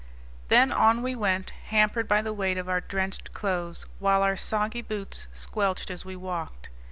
Then on we went, hampered by the weight of our drenched clothes while our soggy boots squelched as we walked.